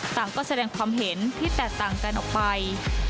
ต่างก็แสดงความเห็นที่แตกต่างกันออกไป